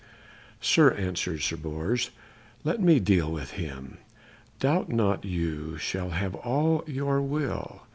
"Sir," answered Sir Bors, "let me deal with him. Doubt not you shall have all your will."